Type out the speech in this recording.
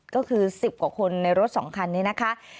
ก็คือ๑๐กว่าคนในรถ๒คันนี้นะคะ